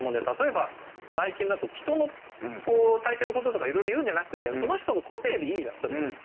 例えば最近だと人の体形の事とかいろいろ言うんじゃなくてその人の個性でいいじゃんそれは。